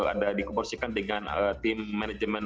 ada dikomosikan dengan tim manajemen